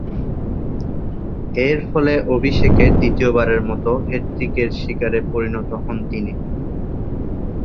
এরফলে অভিষেকে দ্বিতীয়বারের মতো হ্যাট্রিকের শিকারে পরিণত হন তিনি।